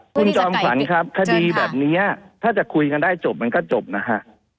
คุณจอมขวัญครับคดีแบบนี้ถ้าจะคุยกันได้จบมันก็จบนะฮะ